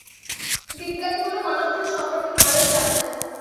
বিজ্ঞানীগুলো মানবদেহ সম্পর্কে ভালোই জানতো।